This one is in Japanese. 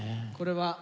これは。